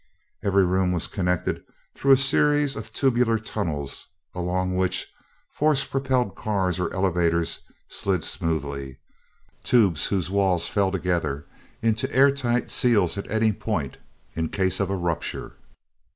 Every room was connected through a series of tubular tunnels, along which force propelled cars or elevators slid smoothly tubes whose walls fell together into air tight seals at any point, in case of a rupture.